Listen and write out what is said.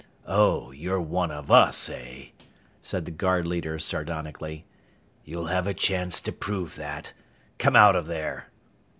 "Oh, you're one of us, eh?" said the guard leader sardonically. "You'll have a chance to prove that. Come out of there!"